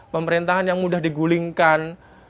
pemerintahan yang mudah digulingkan